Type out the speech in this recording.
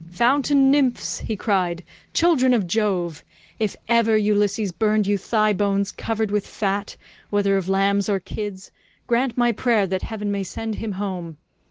"Fountain nymphs," he cried, "children of Jove, if ever Ulysses burned you thigh bones covered with fat whether of lambs or kids, grant my prayer that heaven may send him home.